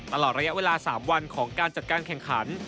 ตลอดระยะเวลา๓วันของการจัดการแข่งขัน